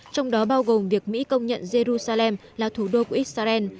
trong đó bao gồm việc mỹ công nhận jerusalem là thủ đô của israel